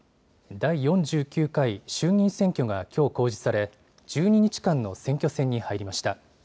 第４９回衆議院選挙がきょう公示され１２日間の選挙戦に入りました。